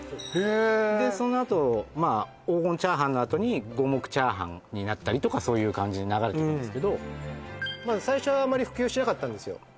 へえでそのあとまあ黄金チャーハンのあとに五目チャーハンになったりとかそういう感じに流れていくんですけど最初はあまり普及しなかったんですよ